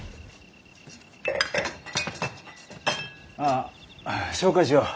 あ紹介しよう。